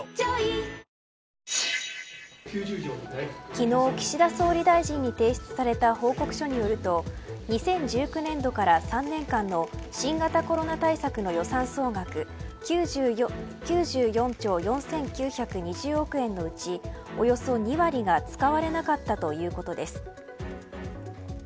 昨日、岸田総理大臣に提出された報告書によると２０１９年度から３年間の新型コロナ対策の予算総額９４兆４９２０億円のうちおよそ２割が使われなかったということです。